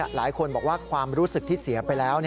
หลายคนบอกว่าความรู้สึกที่เสียไปแล้ว